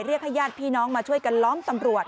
เรียกให้ญาติพี่น้องมาช่วยกันร้องตัมตรวจ